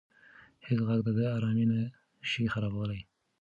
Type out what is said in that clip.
هیڅ غږ د ده ارامي نه شي خرابولی.